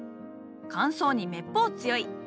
乾燥にめっぽう強い！